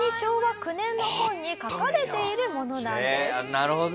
なるほど！